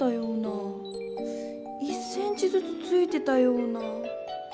１ｃｍずつついてたような。